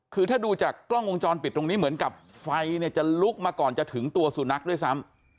คือถ้าดูจากกล้องวงจรปิดตรงนี้เหมือนกับไฟเนี่ยจะลุกมาก่อนจะถึงตัวสุนัขด้วยซ้ำ